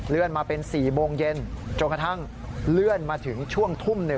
มาเป็น๔โมงเย็นจนกระทั่งเลื่อนมาถึงช่วงทุ่ม๑